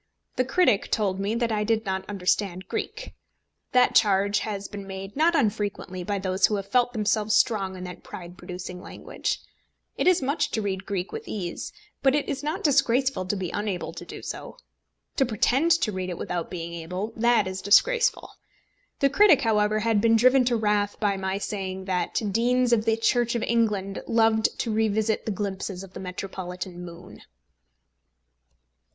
The critic told me that I did not understand Greek. That charge has been made not unfrequently by those who have felt themselves strong in that pride producing language. It is much to read Greek with ease, but it is not disgraceful to be unable to do so. To pretend to read it without being able, that is disgraceful. The critic, however, had been driven to wrath by my saying that Deans of the Church of England loved to revisit the glimpses of the metropolitan moon.